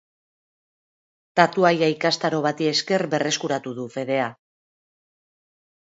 Tatuaia ikastaro bati esker berreskuratu du fedea.